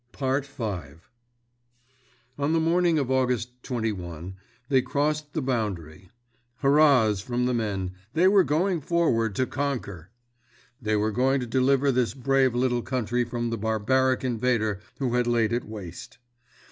V On the morning of August 21 they crossed the boundary. Hurrahs from the men—they were going forward to conquer! They were going to deliver this brave little country from the barbaric invader who had laid it waste.